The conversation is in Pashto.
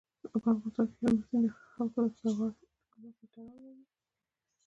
په افغانستان کې هلمند سیند د خلکو د اعتقاداتو سره تړاو لري.